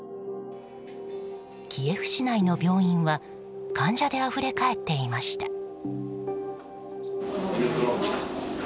キエフ市内の病院は患者であふれかえっていました。